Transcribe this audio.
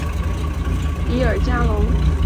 比尔加龙。